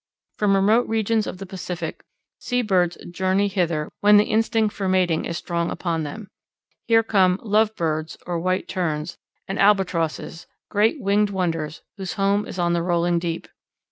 From remote regions of the Pacific sea birds journey hither when the instinct for mating is strong upon them. Here come "Love Birds" or White Terns, and Albatrosses, great winged wonders whose home is on the rolling deep.